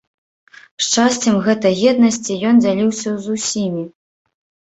Шчасцем гэтай еднасці ён дзяліўся з усімі.